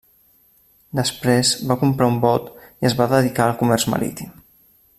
Després va comprar un bot i es va dedicar al comerç marítim.